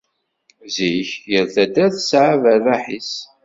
Zik, yal taddart tesɛa aberraḥ-is